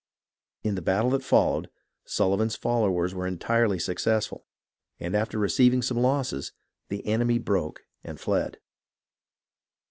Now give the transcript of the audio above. In the battle that followed, Sullivan's followers were entirely suc cessful ; and, after receiving some losses, the enemy broke and fled.